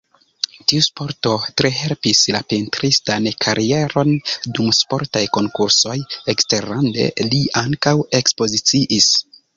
Tiu sporto tre helpis la pentristan karieron, dum sportaj konkursoj eksterlande li ankaŭ ekspoziciis.